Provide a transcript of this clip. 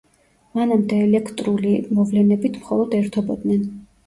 მანამდე ელექტრული მოვლენებით მხოლოდ ერთობოდნენ.